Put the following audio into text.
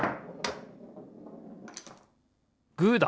グーだ！